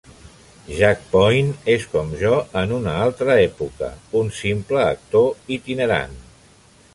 Jack Point és com jo en una altra època, un simple actor itinerant.